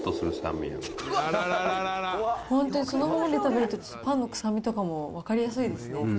本当にそのままで食べると、パンの臭みとかも分かりやすいですね。